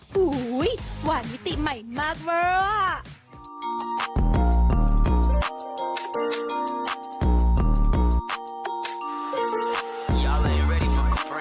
หูยหวานมิติใหม่มากมาก